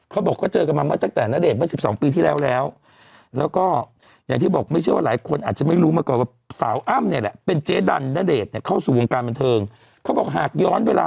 ก็ดูสิแหกตาดูสิว่าเยอะไหมล่ะ